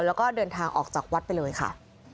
แล้วก็เดินทางออกจากวัดไปเลยค่ะ